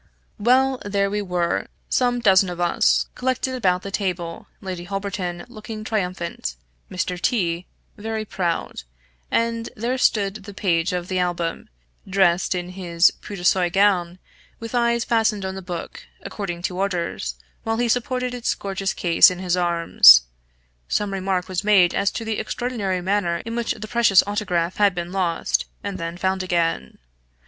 Well, there we were, some dozen of us, collected about the table; Lady Holberton looking triumphant, Mr. T very proud; and there stood the page of the Album, dressed in his Paduasoy gown, with eyes fastened on the book, according to orders, while he supported its gorgeous case in his arms. Some remark was made as to the extraordinary manner in which the precious Autograph had been lost, and then found again.